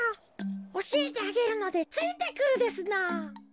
おしえてあげるのでついてくるですのぉ。